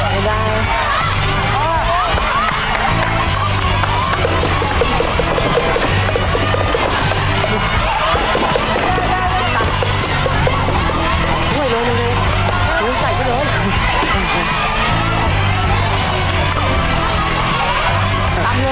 เวลาให้จะหมดแล้วครับแค่คนละชั่วเท่านั้นนะคะ